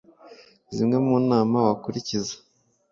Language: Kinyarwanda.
Zimwe mu nama wakurikiza